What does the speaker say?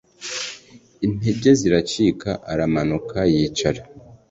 intege ziracika aramanuka yicara